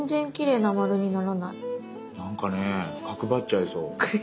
なんかね角張っちゃいそう。